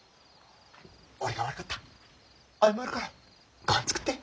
俺が悪かった。